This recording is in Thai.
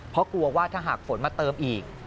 เพราะกลัวว่าถ้าหากฝนมาเติมอีก